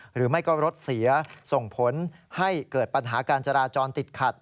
หรือไม่ก็รถเสียส่งผลให้เกิดปัญหาการจราจรติดขัด